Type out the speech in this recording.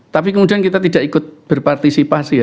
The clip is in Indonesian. tapi kemudian kita tidak ikut berpartisipasi ya